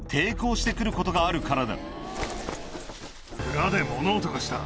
裏で物音がした。